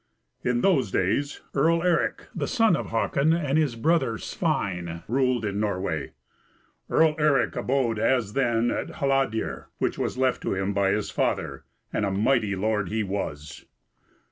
In those days Earl Eric, the son of Hakon, and his brother Svein, ruled in Norway. Earl Eric abode as then at Hladir, which was left to him by his father, and a mighty lord he was.